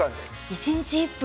１日１分！